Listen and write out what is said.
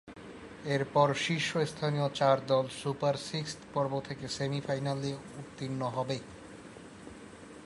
এরপর শীর্ষস্থানীয় চার দল সুপার সিক্স পর্ব থেকে সেমি-ফাইনালে উত্তীর্ণ হবে।